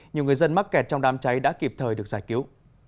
nhiều người dân mắc kẹt trong đám cháy đã kịp thời được giải cứu